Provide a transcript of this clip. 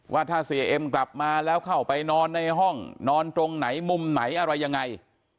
ว่าถ้าเสียเอ็มกลับมาแล้วเข้าไปนอนในห้องนอนตรงไหนมุมไหนอะไรยังไง